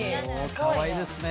かわいいですね。